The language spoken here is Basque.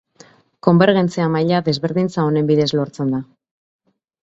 Konbergentzia-maila desberdintza honen bidez lortzen da.